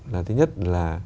là thứ nhất là